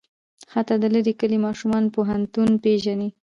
حتی د لرې کلي ماشوم پوهنتون پېژني.